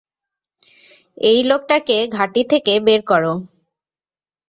এই লোকটাকে ঘাঁটি থেকে বের করো।